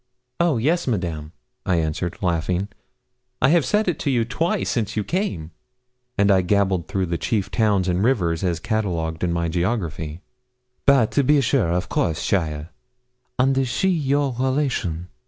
'Oh yes, Madame,' I answered, laughing. 'I have said it to you twice since you came;' and I gabbled through the chief towns and rivers as catalogued in my geography. 'Bah! to be sure of course, cheaile. And is she your relation?'